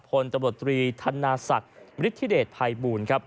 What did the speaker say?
พลตำรวจทรีย์ธนสักริษฐิเดชภัยบูล